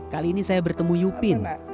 kali ini saya bertemu yupin